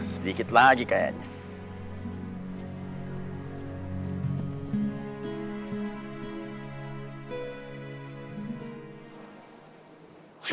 sedikit lagi kayaknya